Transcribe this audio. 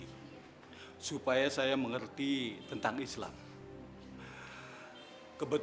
insya allah pak budi